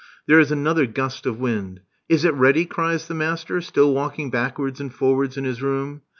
There is another gust of wind. "Is it ready?" cries the master, still walking backwards and forwards in his room.